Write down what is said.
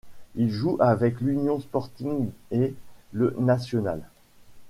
Il joue avec l'Unión Sporting et le Nacional.